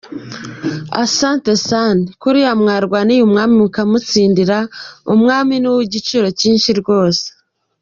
Asante sana kuriya mwarwaniye umwami mukamutsindira, Umwami ni uwigiciro cyinshi rwose.